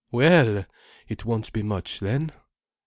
Well! It won't be much, then?"